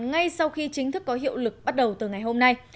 ngay sau khi chính thức có hiệu lực bắt đầu từ ngày hôm nay